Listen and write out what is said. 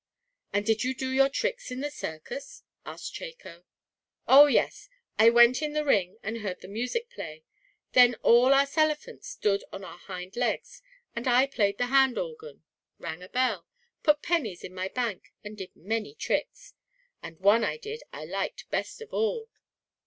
"And did you do your tricks in the circus?" asked Chako. "Oh, yes, I went in the ring, and heard the music play. Then all us elephants stood on our hind legs, and I played the hand organ, rang a bell, put pennies in my bank and did many tricks. And one I did I liked best of all."